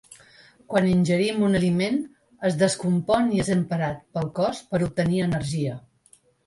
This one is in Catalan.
Quan ingerim un aliment, es descompon i és emprat pel cos per obtenir energia.